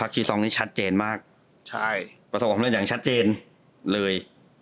คีซองนี้ชัดเจนมากใช่ประสบความเล่นอย่างชัดเจนเลย